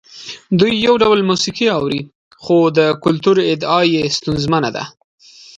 دوی یو ډول موسیقي اوري خو د کلتور ادعا یې ستونزمنه ده.